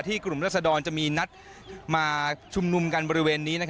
กลุ่มรัศดรจะมีนัดมาชุมนุมกันบริเวณนี้